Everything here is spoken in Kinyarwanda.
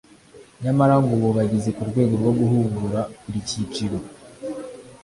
nyamara ngo ubu bageze ku rwego rwo guhugura buri cyiciro